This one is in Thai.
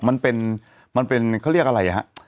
มันเป็นเขาเรียกอะไรฮะ